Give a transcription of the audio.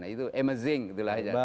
itu amazing itulah